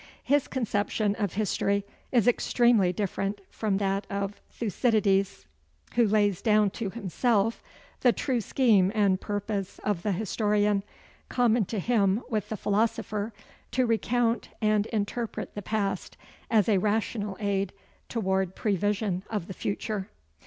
His conception of history is extremely different from that of Thucydides, who lays down to himself the true scheme and purpose of the historian, common to him with the philosopher to recount and interpret the past, as a rational aid toward pre vision of the future.